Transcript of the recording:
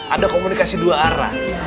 ada komunikasi dua arah